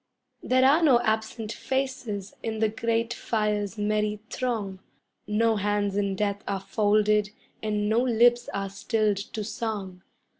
] There are no absent faces in the grate fire's merry throng; No hands in death are folded, and no lips are stilled to song.